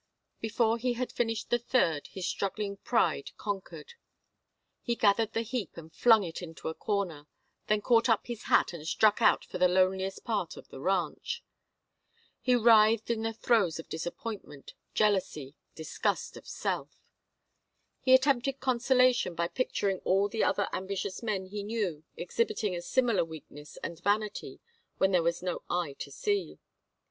Before he had finished the third his struggling pride conquered. He gathered the heap and flung it into a corner, then caught up his hat and struck out for the loneliest part of the ranch. He writhed in the throes of disappointment, jealousy, disgust of self. He attempted consolation by picturing all the other ambitious men he knew exhibiting a similar weakness and vanity when there was no eye to see.